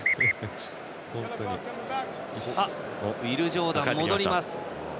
ウィル・ジョーダンが戻ります。